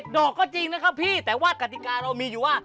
อกก็จริงนะครับพี่แต่ว่ากติกาเรามีอยู่ว่า